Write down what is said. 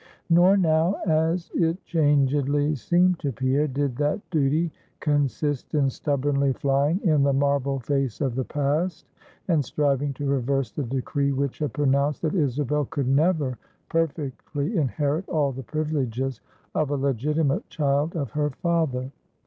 Nor now, as it changedly seemed to Pierre, did that duty consist in stubbornly flying in the marble face of the Past, and striving to reverse the decree which had pronounced that Isabel could never perfectly inherit all the privileges of a legitimate child of her father.